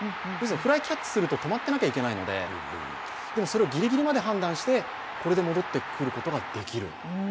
フライをキャッチすると止まっていなきゃいけないので、それをギリギリまで判断して、これで戻ってくることができる。